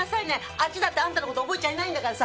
あっちだってあなたの事覚えちゃいないんだからさ。